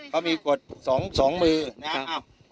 เขามีกฎ๒มือนะครับ